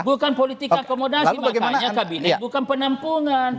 bukan politik akomodasi makanya kabinet bukan penampungan